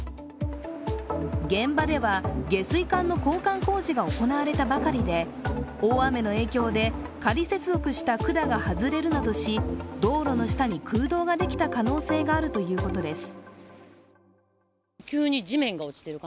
現場では下水管の交換工事が行われたばかりで大雨の影響で仮接続した管が外れるなどし道路の下に空洞ができた可能性があるということです。